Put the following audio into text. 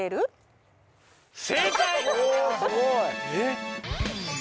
正解！